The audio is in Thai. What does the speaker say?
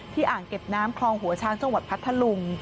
ที่อ่างเก็บน้ำคลองหัวช่างชวดพัทธลุง